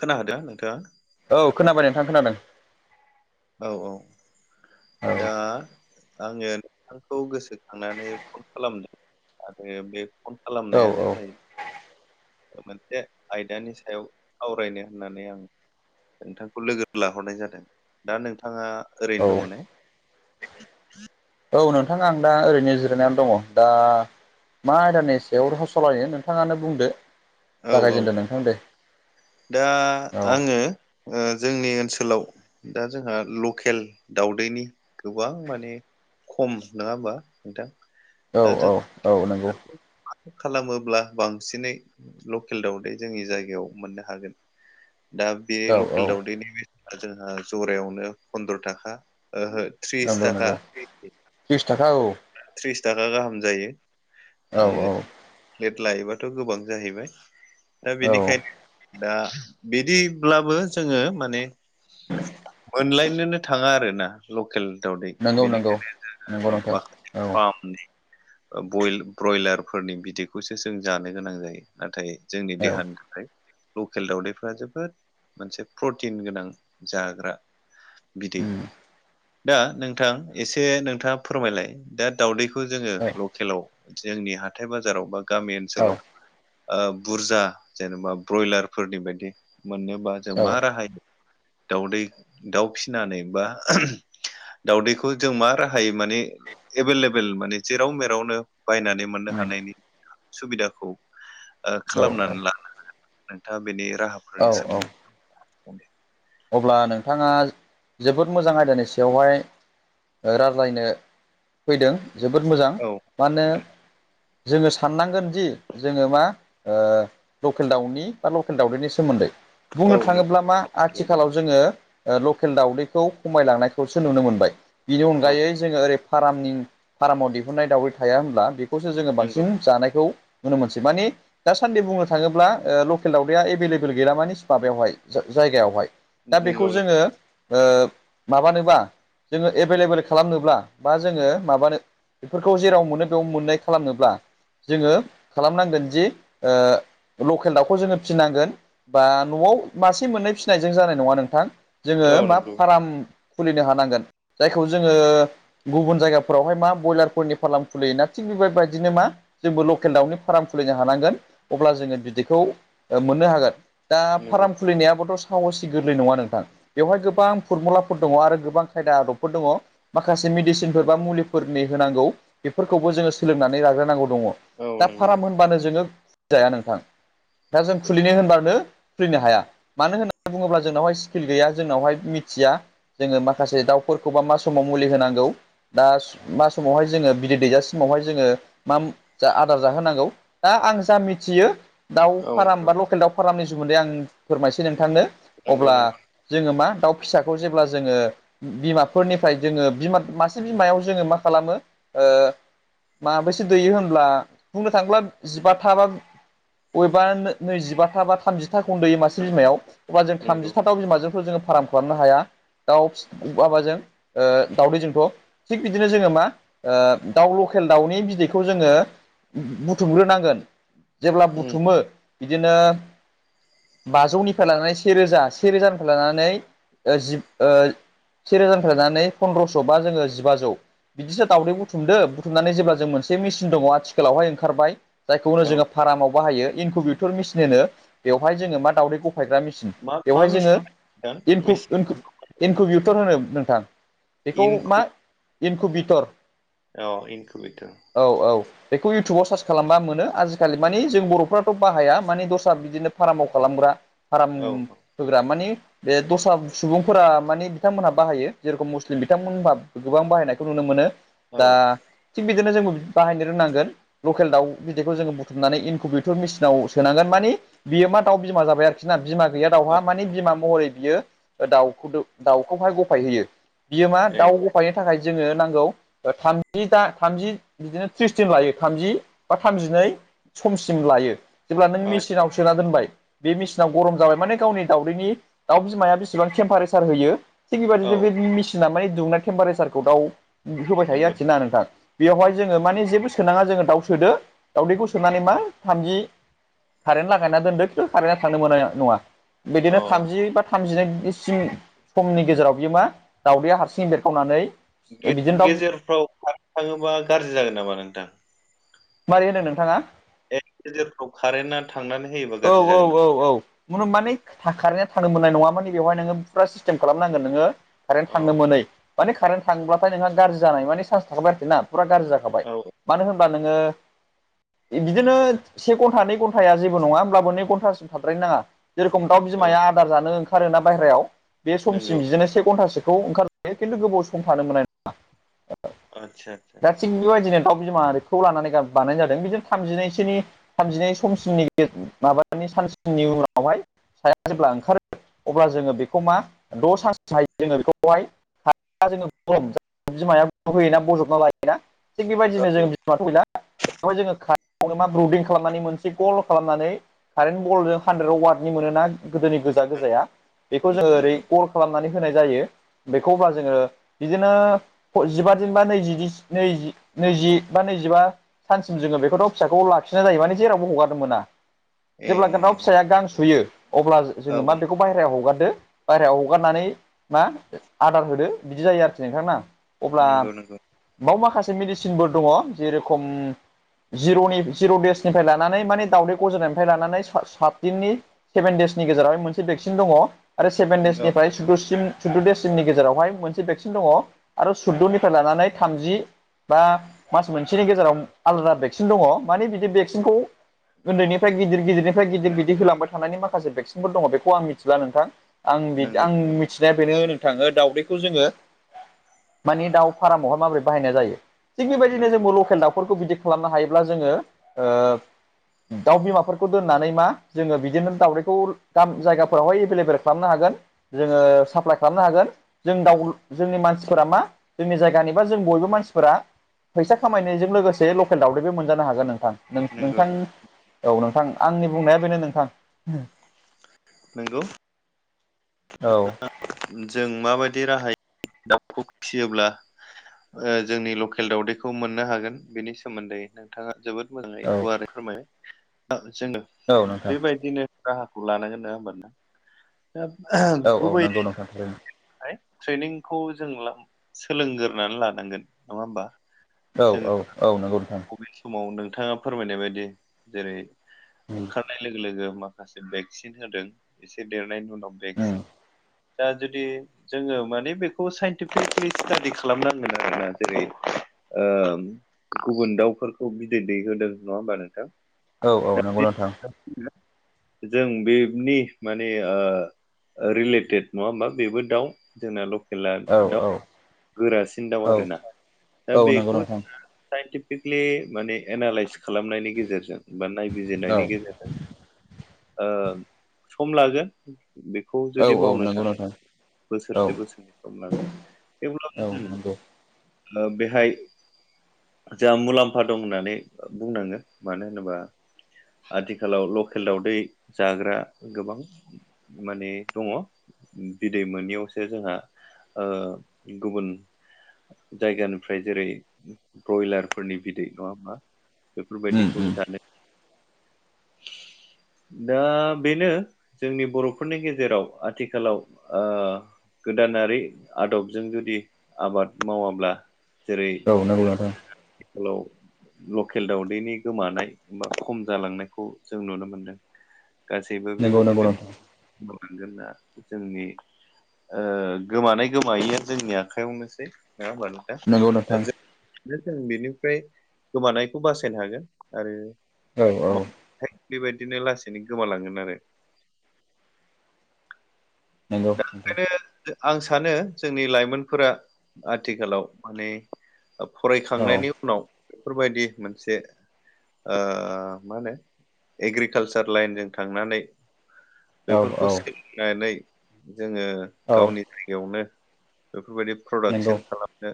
खोनादों नोंथाङा औ खोनाबाय नोंथां खोनादों औ औ औ दा आङो खौ गोसोखांनानै फन खालामदों आरो बे फन औ खालामनायानो जाहै औ मोनसे आयदानि सायाव सावरायनो होननानै आं नोंथांखौ लोगो लाहरनाय जादों दा नोंथाङा ओरैनो दङ औ ने औ नोंथाङा आं दा ओरैनो जिरायनानै दङ दा मा आयदानि सायाव [unintelligible] नोंथाङानो बुंदो औ औ जागायजेनदो नोंथां दे दा औ आङो ओ जोंनि ओनसोलाव दा जोंहा लकेल दावउदैनि गोबां माने खम नङा होमबा नोंथां औ दा जों औ औ नंगौ खालामोब्ला बांसिनै लकेल दावदै जोंनि जायगायाव मोननो ह हागोन दा बे औ औ लकेल दावदैनि बे जोंहा जरायावनो फन्द्र' थाखा ओहो थ्रिस नंगौ थाखा नंगौ त्रिस थाखा औ थ्रिस थाखा गाहाम जायो। औ औ लेट लायोबाथ' गोबां जाहैबाय दा औ बेनिखायनो दा बिदिब्लाबो जोङो माने मोनलायनोनो थाङा आरोना लकेल दावदै नंगौ नंगौ बेनिखायनो नंगौ जों नोंथां औ [inaudible] ओ बय ब्रयलारफोरनि बिदैखौसो जों जानो गोनां जायो नाथाय जोंनि औ देहानि थाखाय लकेल दावउदैफ्रा जोबोद मोनसे प्रटिन गोनां जाग्रा। बिदै उम दा नोंथां एसे नोंथाङा फोरमायलाय। दा दावदैखौ जोङो औ लकेलाव जोंनि हाथाय बाजाराव बा गामि औ ओनसोलाव ओ बुरजा जेनेबा ब्रयलारफोरनि बायदि मोननोबा जों मा राहायै दाउदै दाउ फिसिनानै बा दाउदैखौ जों मा थायो माने एभेलेबेल माने जेराव मेरावनो बायनानै मोननो उम हानायनि सुबिदाखौ ओ औ खालामनानै लानो हागोन नोंथाङा बेनि राहाफोरनि औ सोमोन्दै अब्ला नोंथाङा जोबोद मोजां आयदानि सायावहाय ओ राज्लायनो फैदों जोबोद मोजां औ मानोे जोङो साननांगोनदि जोङो मा ओ लकेल दाउनि बा लकेल दाउदैनि सोमोन्दै औ बुंनो नंगौ थाङोब्ला मा आथिखालाव जोङो ओ लकेल दाावदैखौ खमायलांनायखौसो नुनो मोनबाय। बिनि औ अनगायै जोङो ओरै फार्मनि फार्माव दिहुननाय दावदै थाया होनब्ला बेखौसो जोङो नंगौ बांसिन जानायखौ नुनो मोनसै माने दाासान्दि बुंनो थाङोब्ला ओ लकेल दावदैया एभेलेबेल गैला माने माबायाव हाय जायगायाव हाय। दा बेखौ नंगौ जोङो ओ माबानोबा जोङो एभेलेबोेल खालामनोब्ला बा जोङो माबानो बेफोरखौ जेराव मोनो बेयाव मोननाय खालामनोब्ला जोङो खालामनांगोन जि ओ लकेल दाउखौ जोङो फिनांगोन। बा न'आव मासे मोननै फिसिनायजों जानाय नङा नोंथां जोङो औ मा नंगौ फाराम खुलिनो हानांगोन जायखौ जोङो गुबुन जायगाफोराव हाय मा बयलारफोरनि फालाम खुलियोना थिग बेबायबायदिनो मा जोंबो लकेल दाउनि फाराम खुलिनो हानांगोन अब्ला जोङो बिदैखौ ओ मोननो हागोन। दा नंगौ फाराम खुलिनायाबोथ सावोसि गोरलै नङा नोंथां बेवहाय गोबां फरमुलाफोर दङ आरो गोबां खायदा आदबफोर दङ। माखासे मेडिसिनफोर बा मुलिफोरनि होनांगौ बेफोरखौबो जोङो सोलोंनानै लाग्रोनांगौ दङ। औ दा नंगौ फाराम होनबानो जोङो जाया नोंथां दा जों खुलिनो होनब्लानो खुलिनो हाया मानो होनो बुङोब्ला जोंनावहाय स्किल गैया जोंनाव हाय मिथिया। जोङो माखासे दाउफोरखौबा मा समाव मुलि होनांगौ दा मा समाव हाय जोङो बिदै दैजासिमाव हाय जोङो माम आदार जाहोनांगौ दा आं जा मिथियो दाउ औ फाराम बा नंगौ लकेल दाउ फारामनि जुमोन्दै आं फोरमायसै नोंथांनो नंगौ अब्ला नंगौ जोङो मा दाउ फिसाखौ जेब्ला जोङो बिमाफोरनिफ्राय जोङो बिमा मासे बिमायाव जोङो मा खालामो ओ माबैसे दैयो होनब्ला बुंनो थाङोब्ला जिबा था बा बबेबा नो नैजिबााथा बा थामजिथा खौनो दैयो मासे बिमायाव। अबा जों नंगौ थामजिथा दाव बिमाजोंथ जोङो फाराम खालामनो हाया। दाउ बाबाजों ओ दाउ दैजोंथ' थिग बिदिनो जोङो मा ओ दाउ लकेल दाउनि बिदैखौ जोङो बुथुमग्रोनांगोन। जेब्ला उम बुथुमो बिदिनो बाजौनिफ्राय लानानै से रोजा से रोजानिफ्राय लानानै ओ जिब ओ सेे रोजानिफ्राय लानानै फन्द्रस' बा जोङो जिबाजौ बिदिसा दावदै बुथुमदो बुथुमनानै जेब्ला जों मोनसे मेसिन दङ आथिखालाव हाय ओंखारबाय। जायखौनो औ जोङो फारामाव बाहायो इनकुबेटर मेसिन होनोवहाय जोङो मा दाउदै गफायग्रा मेसिन मा मा बेवहाय जोङो मेचिन [inaudible] थर होनो नोंथां बेखौ मा एनखु बिथर औ इनकुबेटर औ औ बेखौ इउटुबाव सार्च खालामबा मोनो आजिखालि मानि जों बर'फ्राथ' बाहाया मानि दस्रा बिदिनो फार्माव खालामग्रा फार्म औ होग्रा मानि बे दस्रा सुबुंफोरा माने बिथांमोनहा बाहायो जेरेखम मुस्लिम बिथांमोनबा गोबां बाहायनायखौ नुनो मोनो औ दा थिग बिदिनो जोंबो बाहायनो रोंनांगोन। लकेल दाउ बिदैखौ जोङो बुथुमनानै इनकुबेटर मेसिनाव सोनांगोन मानि बियो मा दाउ बिमा जाबाय आरोखि ना बिमा गै औ दाउहा मानि बिमा महरै बियो दाउखौ दो दाउखौ हाय गफाय होयो। बियो मा ए दाउ गफायनि थाखाय जोङो नांगौ ओ थामजि दा थामजि बिदिनो थ्रिस दिन लायो थामजि बा थामजिनै समसिम लायो। जेब्ला नों आदसा मेसिनाव सोना दोनबाय बे मेसिनाव गरम जाबाय माने गावनि दाउैनि दाउ बिमाया बेसेबां केम्पारेसार होयो थिग औ बेदिनो बे मिसि [unintelligible] होबाय थायो आरोखि ना नंगौ नोंथां बेवहाय जोङो माने जेबो सोनाङा जोङो दाउ सोदो दाउदैखौ सोनानै मा थामजि कारेन्ट लागायना दोनदो खिन्थु कारेन्टआ थांनो मोननाय नङा बिदिनो अ थामजि बा थामजिनैसिम समनि गेजेराव बियो मा दावदैया हारसिं बेरखावनानै बिदिनो दाउ गे-गेजेरफ्राव खारनो थाङोबा गाज्रि जागोन नामा नोंथां? माबारै होनदों नोंथाङा? एक गेजेरफ्राव कारेन्टना थांनानै होयोबा गाज्रि जागोन नामा? खुनु माने का-कारेन्टआ थांनो मोननाय नङा माने बेवहाय नोङो फुरा सिस्टेम खालामनांगोन नोङो कारेन्ट औ थांनो मोनै मान कारेन थांब्लाथाय नोंहा गाज्रि जानाय माने सान्स थाखाखाबाय आरोखि ना फुरा गाज्रि जाखाबाय। औ मानो होनबा नोङो बिदिनो से घन्टा नै घन्टाया जेबो नङा होमब्लाबो नै घन्टासिम थाद्रायनो नाङा। जेरेखम दाउ औ बिमाया आदार जानो ओंखारोना बाहेरायाव बे समसिम नंगौ बिदिनो से घन्टासोखौ ओंखार बे खिन्थु गोबाव सम थानो मोननाय नङा ओ आदसा आदसा दा थिग नंगौ बेबादिनो दाव बिमारिखौ लानानै गा-बानाय जादों बिदिनो थामजिनैसोनि थामजिनै समसिमनि गे-माबानि सानसेनि उनावहाय साया जेब्ला ओंखारो अब्ला जोङो बेखौ मा द' सानस हायो जोङो बेखौहाय जोङो गरम बिमाया होयोना बजबना लायोना थिग बेबायदिनो औ जोङो बिमाथ' गैला बेवहाय जोङो का [unintelligible] मा ब्रुदिं खालामनानै मोनसे गल खालामनानै कारेन्ट बल जों हानद्रेदआव वार्डनि मोनोना गोदोनि गोजा गोजाया बेखौ जोङो नंगौ ओरै नंगौ अर खालामनानै होनाय जायो बेखौ होबा जोङो बिदिनो जिबा दिन बा नैजिनिस-नैजि-नैजि बा नैजिबा सानसिम जोङो बेखौथ' फिसाखौ लाखिनाय जायो माने जेरावबो हगारनो मोना। ए जेब्ला गोनथाव फिसाया गां सुयो अब्ला औ जोङो मा बेखौ बाहेरायाव हगारदो बाहेरायाव हगारनानै मा आदार होदो बिदि जायो आरोखि नोंथां ना। अब्ला नंगौ नंगौ बाव माखासे मेडिसिनफोर दङ जेरेखम जिर'नि जिर' देसनिफ्राय लानानै माने दावदै गज्रनायनिफ्राय लानानै सा-सात दिननि सेभेन देसनि गेजेरावहाय मोनसे भेक्सिन दङ आरो सेभेन औ देसनिफ्राय सुद्दसिम सुद्द देससिमनि गेजेरावहाय मोनसे भेक्सिन दङ आरो सुद्दनिफ्राय लानानै थामजि बा मास मोनसेनि गेजेराव आलादा भेक्सिन दङ माने बिदि भेक्सिनखौ ओन्दैनिफ्राय गिदिर गिदिरनिफ्राय गिदिर गिदिर होलांबाय थानानै माखासे भेक्सिनफोर दङ बेखौ आं मिथिला नोंथां। आं बिदि नंगौ आं नंगौ नंगौ मिथिनाय बेनो नोंथाङो दाउदैखौ जोङो मानि दाउ फारामावहाय माबोरै बाहायनाय जायो। थिग बेबायदिनो नंगौ जोङो लकेल दाउफोरखौ बिदि खालामनो हायोब्ला जोङो दाउ बिमाफोरखौ दोननानै मा जोङो बिदिनो दाउदैखौ गाम जायगाफोरावहाय एभेलेबेल खालामनो हागोन। जोङो साप्लाइ खालामनो हागोन। जों दाउ जोंनि मानसिफोरा मा जोंनि जायगानिबा जों बयबो मानसिफोरा फैसा खामायनायजों लोगोसे लकेल दावदैबो मोनजानो हागोन नोंथां नों-नोंथां नंगौ औ नोंथां आंनि बुंनाया बेनो नोंथां। नोंगौ औ जों माबायदि राहायै दाउखौ फिसियोब्ला ओ जोंनि लकेल दावउदैखौ मोननो हागोन बेनि सोमोन्दैनो नोंथाङा जोबोद मोजाङै औ गुवारै फोरमायबाय जोङो औ नोंथां बेबायदिनो राहाखौ लानांगोन नोङा होमबा नों औ औ गुबै नंगौ नोंथां थारैनो। ट्रेनिंखौ जों सोलोंगोरानै लानांगोन नङा होमबा। औ औ औ नंगौ नोंथां। बे समाव नोंथाङा फोरमायनाय बायदि जेरै ओंखारनाय लोगो लोगो मा खासे भेक्सिन होदों। एसे देरनायनि उनाव उम भेक्सिन दा जुदि जोङो माने बेखौ साइनटिफिकलि स्टाादि खालामनांगोन आरोना जेरै ओ गुबुन दाउफोरखौ बिदै दैहोदों नङा होमबा नोंथां? औ औ दा नंगौ नोंथां [unintelligible] जों बेनि माने ओ रिलेटेड नङा होमबा बेबो दाउ जोंना ल' खेला औ दा औ गोरासिन दाउ औ आरोना औ दा नंगौ बेखौ नोंथां जोङो साइन्टिफिकलि माने एनालइस खालामनायनि गेजेरजों बा औ नायबिजिरनायनि गेजेरजों ओ सम लागोन बेखौ औ जुदि औ मावनो नंगौ थांङो। नोंथां औ बोसोरसे बोसोरनै औ हमनांगोन [unintelligible] नंगौ ओ बेहाय जोहा मुलाम्फा दं होननानै बुंनांगोन मानो होनोबा आथिखालाव लकेल दावदै जाग्रा गोबां माने दङ बिदै मोनैयावसो जोंहा ओ गुबुन जायगानिफ्राय जेरै ब्रयलारफोरनि बिदै नङा ओमबा। उम बेफोरबायदिखौ उम जानो [inaudible] दा बेनो जोंनि बर'फोरनि गेजेराव आथिखालाव ओ गोदानारि आदबजों जुदि आबाद मावाब्ला जेरै औ नंगौ नोंथां आथिखालाव लकेल दावदैनि गोमानाय बा खम जालांनाय खौ जों नुनो मोनदों गासैबो नंगौ नंगौ बेबायदिनो नोंथां मावलांगोना जोंनि ओ गोमानाय गोमायैआ जोंनि आखायावनोसै नङा होमबा। नंगौ ओ नोंथां जों बेनिफ्राय गोमानायखौ बासायनो हागोन आरो औ औ। बेबायदिनो लासैनो गोमालांगोन आरो। नंगौ दा नोंथां। आं सानो जोंनि लाइमोनफोरा आथिखालाव माने औ फरायखांनायनि उनाव बेफोरबायदि मोनसे ओ मा होनो एग्रिकालसार लाइनजों थांनानै औ बेफोरखौ औ सोलोंनानै जोङो औ गावनि जायगायावनो बेफोरबायदि नंगौ प्रडाक्सन खालाम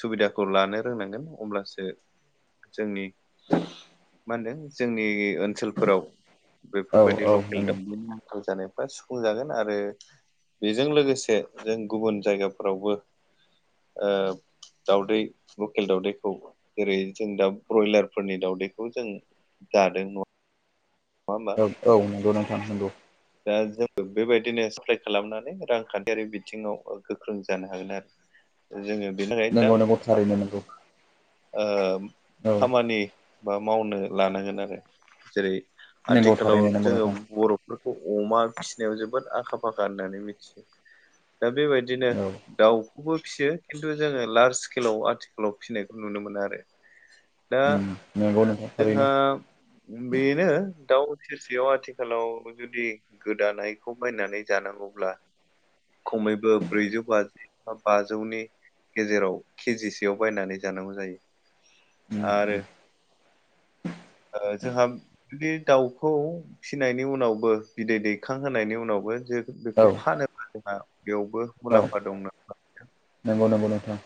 सुबिदाखौ लानो रोंनांगोन अब्लासो जोंनि मा होनदों जोंनि ओनसोलफोराव औ बेफोरबायदि औ लकेल नंगौ [unintelligible] आखांल जानायफ्रा सुफुं जागोन। आरो बेजों लोगोसे जों गुबुन जायगाफोरावबो ओब दाउदै लकेल दावदैखौ जेरै जों दा ब्रयलारफोरनि दावदैखौ जों जादों न' औ औ नंगौ नोंथां नंगौ। दा जों बेबायदिनो साप्लाय खालामनानै रांखान्थियारि बिथिङाव ओ गोख्रों जानो हागोन आरो। [inaudible] जोङो बेनि थाखायनो दा नंगौ नंगौ थारैनो साफा नंगौ ओ औ खामानि बा मावनो लानांगोन आरो जेरै नंगौ आथिखालाव थारैनो नंगौ जोङो नोंथां बर' बखौ अमा फिनायाव जोबोद आखा फाखा होननानै मिथियो। दा बेबायदिनो औ दाउखौबो फियो। खिन्थु जोङो लार्ज स्केलाव आथिखालाव फिनायखौ नुनो मोनो आरो। दा उम नंगौ नोंथां थारैनो जोंहा बेनो दाउ सेरसेयाव आथिखालाव जुदि गोदानायखौ बायनानै जानांगौब्ला खमैबो ब्रैजौ बाजि बा बाजौनि गेजेराव केजिसेयाव बायनानै जानांगौ जायो। उम आरो ओ जोंहा बिदि दाउखौ फिसिनायनि उनावबो बिदै दैखांहोनायनि उनावबो जों औ बेखौ फानोबा जोंहा बेयावबो औ मुलाम्फा दं ना नंगौ नंगौ नोंथां।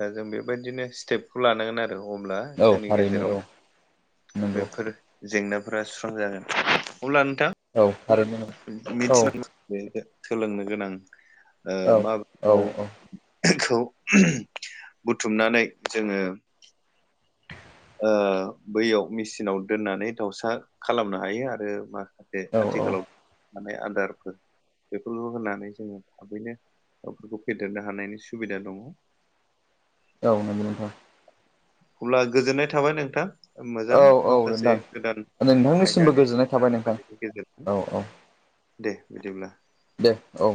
दा जों बेबायदिनो स्टेपखौ लानांगोन आरो अब्ला औ जोंनि थारैनो गेजेराव औ नंगौ बेफोर जेंनाफोरा सुस्रांजागोन अब्ला नोंथां औ आरो मिथिनाय सोलोंनो गोनां ओ औ औ माबायाव औ खौ बुथुमनानै जोङो ओ बैयाव मेचिनाव दोननानै दाउसा खालामनो हायो आरो माखासे बे औ औ आथिखालाव माने आदारफोर बेफोरखौ होनानै जोङो थाबैनो गावफोरखौ फेदेरनो हानायनि सुबिदा दङ। औ नंगौ नोंथां। अब्ला गोजोननाय थाबाय नोंथां। मोजां औ औ माखासे नोंथां गोदान नोंथांनिसिमबो आयदानि गोजोननाय थाबाय नोंथां फोरनायनि गेजेरजों औ औ दे बिदिब्ला। दे औ।